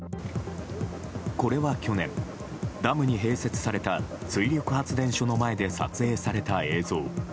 これは去年ダムに併設された水力発電所の前で撮影された映像。